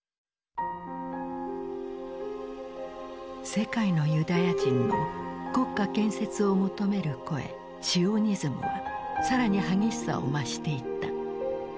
世界のユダヤ人の国家建設を求める声シオニズムは更に激しさを増していった。